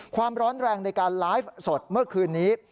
ความร้อนแรงในการไลฟ์สดเมื่อคืนนี้